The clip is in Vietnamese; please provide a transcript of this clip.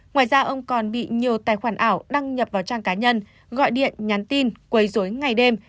ngoài ra ông còn bị nhiều tài khoản ảo đăng nhập vào trang cá nhân gọi điện nhắn tin quấy dối ngày đêm